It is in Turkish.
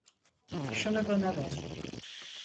Şunu bana ver.